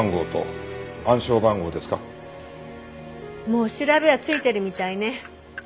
もう調べはついてるみたいね。